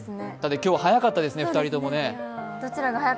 今日、早かったですね、２人ともね。